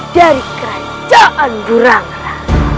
dari kerajaan burangra